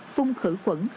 phung khử quẩn